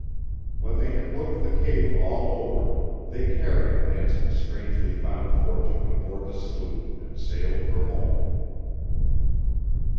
When they had looked the cave all over, they carried Manson's strangely found fortune aboard the sloop, and sailed for home.